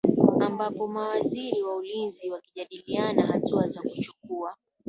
ambapo mawaziri wa ulinzi wakijadiliana hatua za kuchukua